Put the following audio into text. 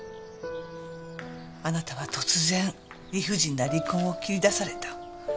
あなたは突然理不尽な離婚を切り出された。